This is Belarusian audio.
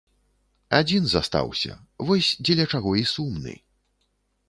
Адзін застаўся, вось дзеля чаго і сумны.